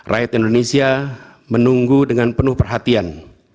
rakyat indonesia menunggu dengan penuh perhatian